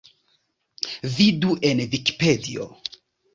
Vidu en Vikipedio.